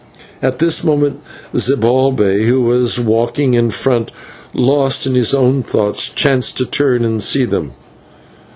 At this moment Zibalbay, who was walking in front, lost in his own thoughts, chanced to turn and see them.